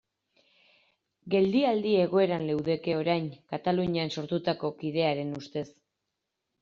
Geldialdi egoeran leudeke orain Katalunian Sortuko kidearen ustez.